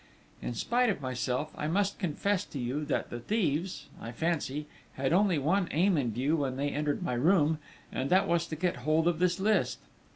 _ _In spite of myself, I must confess to you that the thieves, I fancy, had only one aim in view when they entered my room, and that was to get hold of this list.